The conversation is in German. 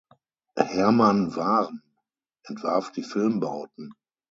Hermann Warm entwarf die Filmbauten.